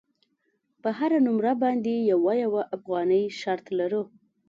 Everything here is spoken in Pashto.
پر هره نمره باندې یوه یوه افغانۍ شرط لرو.